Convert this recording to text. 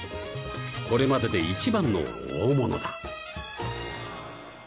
これまででいちばんの大物だ